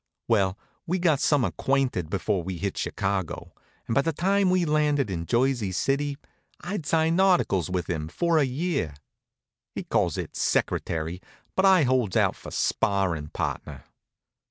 Well, we got some acquainted before we hit Chicago, and by the time we'd landed in Jersey City I'd signed articles with him for a year. He calls it secretary, but I holds out for sparrin' partner.